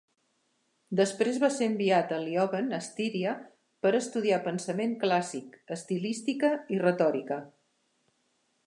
Després va ser enviat a Leoben a Styria per estudiar pensament clàssic, estilística i retòrica.